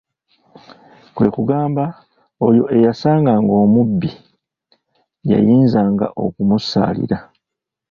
"Kwe kugamba oyo eyasanganga omubbi, yayinzanga okumusaalira."